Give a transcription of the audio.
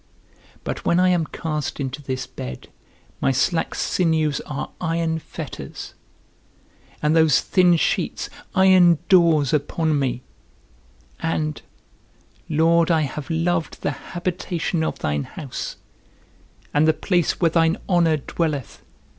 But when I am cast into this bed my slack sinews are iron fetters, and those thin sheets iron doors upon me; and, Lord, I have loved the habitation of thine house, and the place where thine honour dwelleth.